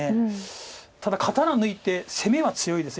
ただ刀抜いて攻めは強いです。